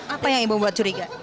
apa yang ibu membuat curiga